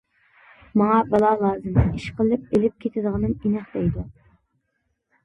ماڭا بالا لازىم ئىشقىلىپ ئىلىپ كېتىدىغىنىم ئېنىق دەيدۇ.